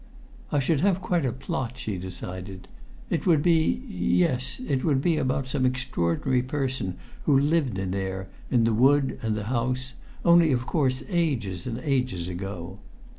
"I should have quite a plot," she decided. "It would be ... yes, it would be about some extraordinary person who lived in there, in the wood and the house, only of course ages and ages ago.